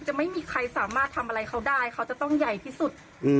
ไม่มีใครสามารถทำอะไรเขาได้เขาจะต้องใหญ่ที่สุด